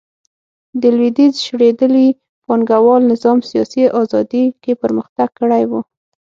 د لوېدیځ شړېدلي پانګوال نظام سیاسي ازادي کې پرمختګ کړی و